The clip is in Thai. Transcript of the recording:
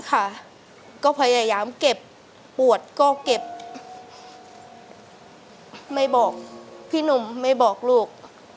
ค่ะก็พยายามเก็บปวดก็เก็บไม่บอกพี่หนุ่มไม่บอกลูก